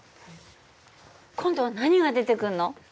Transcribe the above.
今度は何が出てくるの？